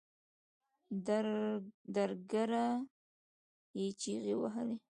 درګرده يې چيغې وهلې.